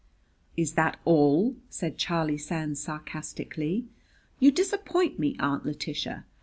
"Is that all?" said Charlie Sands sarcastically. "You disappoint me, Aunt Letitia!